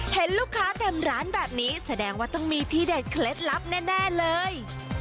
เห็นลูกค้าเต็มร้านแบบนี้แสดงว่าต้องมีที่เด็ดเคล็ดลับแน่เลย